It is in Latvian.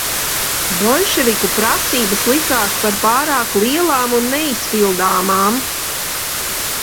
Boļševiku prasības likās par pārāk lielām un neizpildāmām.